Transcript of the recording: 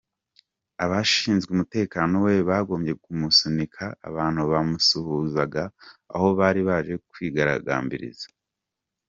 Abashinzwe umutekano we bagombye gusunika abantu bamusuhuzaga aho bari baje kwigaragambiriza.